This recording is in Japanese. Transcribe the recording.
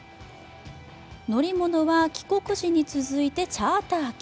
乗り物は帰国時に続いてチャーター機。